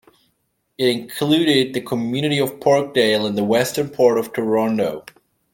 It included the community of Parkdale in the western part of Toronto.